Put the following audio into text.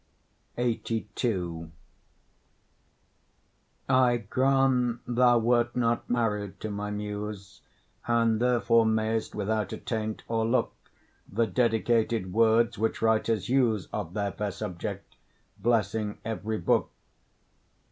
LXXXII I grant thou wert not married to my Muse, And therefore mayst without attaint o'erlook The dedicated words which writers use Of their fair subject, blessing every book.